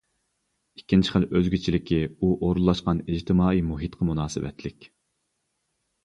ئىككىنچى خىل ئۆزگىچىلىكى ئۇ ئورۇنلاشقان ئىجتىمائىي مۇھىتقا مۇناسىۋەتلىك.